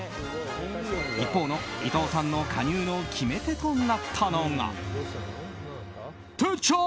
一方の伊藤さんの加入の決め手となったのが。